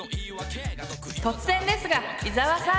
突然ですが伊沢さん！